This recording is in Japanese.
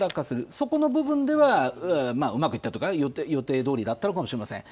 そこの部分では、うまくいったというか、予定どおりだったのかもしれません。